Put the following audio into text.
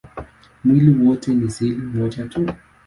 Mwili wote ni seli moja tu.